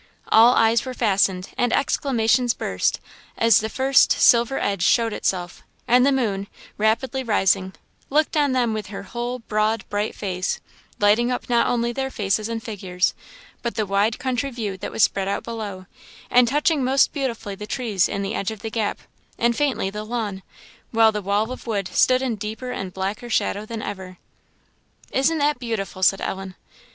All eyes were fastened and exclamations burst, as the first silver edge showed itself, and the moon, rapidly rising, looked on them with her whole, broad, bright face: lighting up not only their faces and figures, but the wide country view that was spread out below, and touching most beautifully the trees in the edge of the gap, and faintly the lawn; while the wall of wood stood in deeper and blacker shadow than ever. "Isn't that beautiful!" said Ellen.